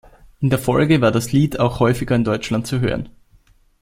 In der Folge war das Lied auch häufiger in Deutschland zu hören.